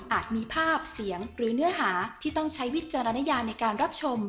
มีภาพเสียงหรือเนื้อหาที่ต้องใช้วิจารณญาในการรับชม